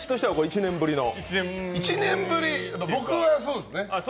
１年ぶり、僕はそうですね。